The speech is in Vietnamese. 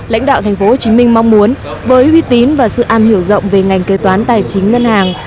lãnh đạo tp hcm mong muốn với uy tín và sự am hiểu rộng về ngành kế toán tài chính ngân hàng